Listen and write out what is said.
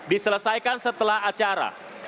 diselesaikan setelah acara